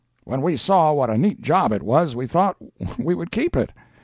When we saw what a neat job it was, we thought we would keep it.